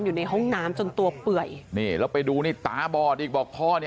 อยู่ในห้องน้ำจนตัวเปื่อยนี่แล้วไปดูนี่ตาบอดอีกบอกพ่อเนี่ย